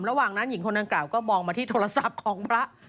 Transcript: ระหว่างนั้นหญิงคนดังกล่าวก็มองมาที่โทรศัพท์ของพระ